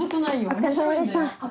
お疲れさまでした。